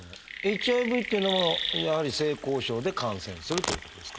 ＨＩＶっていうのもやはり性交渉で感染するということですか？